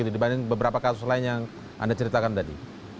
dibanding beberapa kasus lain yang anda ceritakan tadi